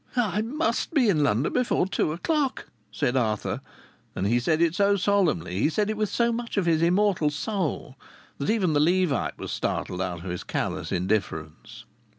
"I must be in London before two o'clock," said Arthur, and he said it so solemnly, he said it with so much of his immortal soul, that even the Levite was startled out of his callous indifference.